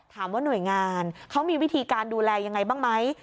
หน่วยงานเขามีวิธีการดูแลยังไงบ้างไหม